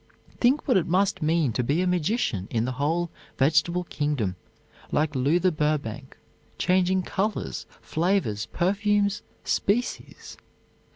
Think what it must mean to be a magician in the whole vegetable kingdom, like Luther Burbank, changing colors, flavors, perfumes, species!